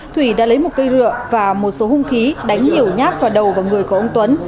thủy đã lấy một cây rượu và một số hung khí đánh nhiều nhát vào đầu và người của ông tuấn